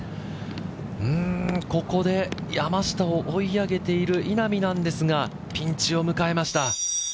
ここで山下を追い上げている稲見なんですがピンチを迎えました。